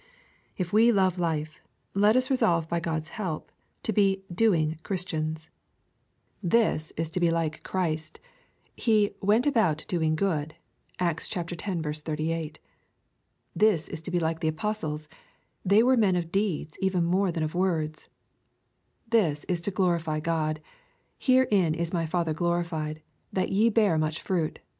If we love life, let us resolve by God's help, to be "doing" Christians. This is to be like Christ, — Ha LUKEj CHAP. XII. 91 " went aiAvUt doing good." (Acts x. 38.) This is to ba like the apostles, — they were men of deeds even more than of words. This is to glorify God, —" Herein is my Father glorified, that ye bear much fruit."